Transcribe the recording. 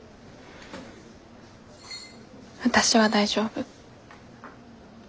私は大丈夫。